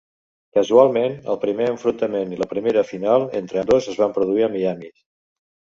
Casualment, el primer enfrontament i la primera final entre ambdós es van produir a Miami.